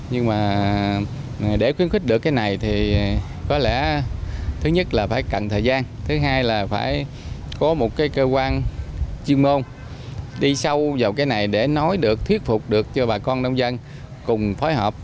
nhưng mà để khuyến khích được cái này thì có lẽ thứ nhất là phải cần thời gian thứ hai là phải có một cái cơ quan chuyên môn đi sâu vào cái này để nói được thuyết phục được cho bà con nông dân cùng phối hợp